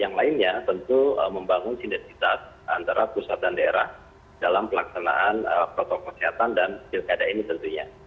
yang lainnya tentu membangun sinersitas antara pusat dan daerah dalam pelaksanaan protokol kesehatan dan pilkada ini tentunya